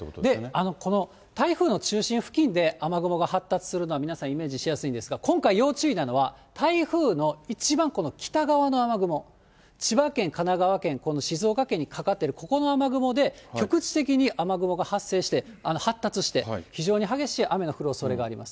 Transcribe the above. この台風の中心付近で雨雲が発達するのは、皆さんイメージしやすいんですが、今回、要注意なのは、台風の一番この北側の雨雲、千葉県、神奈川県、この静岡県にかかっている、ここの雨雲で、局地的に雨雲が発生して、発達して、非常に激しい雨の降るおそれがあります。